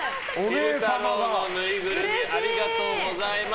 昼太郎のぬいぐるみありがとうございます。